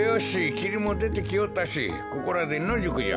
きりもでてきよったしここらでのじゅくじゃ。